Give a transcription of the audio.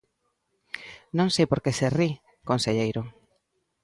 Non sei por que se ri, conselleiro.